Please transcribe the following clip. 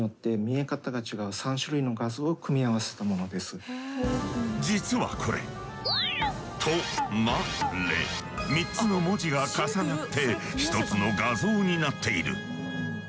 これは実はこれ「と」「ま」「れ」３つの文字が重なって一つの画像になっている。